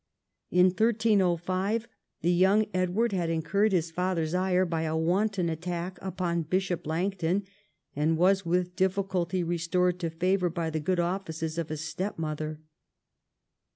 In 1305 the young Edward had incurred his father's ire by a wanton attack upon Bishop Langton, and was with difficulty restored to favour by the good offices of his stepmother.